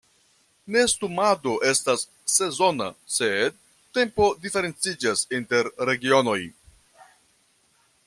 Nestumado estas sezona, sed tempo diferenciĝas inter regionoj.